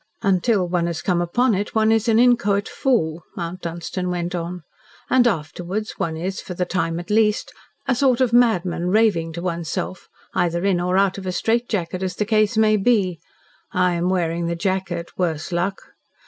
"Until one has come upon it one is an inchoate fool," Mount Dunstan went on. "And afterwards one is for a time at least a sort of madman raving to one's self, either in or out of a straitjacket as the case may be. I am wearing the jacket worse luck!